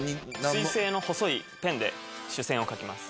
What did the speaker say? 水性の細いペンで主線を描きます。